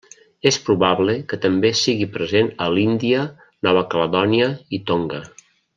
És probable que també sigui present a l'Índia, Nova Caledònia i Tonga.